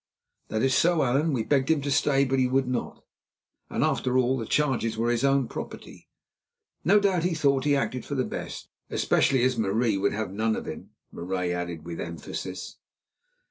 "That is so, Allan. We begged him to stay, but he would not; and, after all, the charges were his own property. No doubt he thought he acted for the best, especially as Marie would have none of him," Marais added with emphasis.